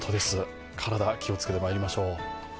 体気を付けてまいりましょう。